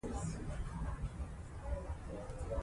منی د افغانانو د تفریح یوه وسیله ده.